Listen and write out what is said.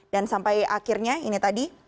dan sampai akhirnya ini tadi